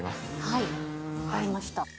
「はいわかりました」